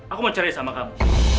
aku mau cari sama kamu